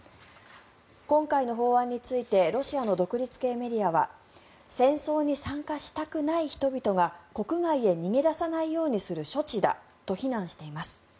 今回の法案についてロシアの独立系メディアは戦争に参加したくない人々が国外へ逃げ出さないようにする処置だと非難しています。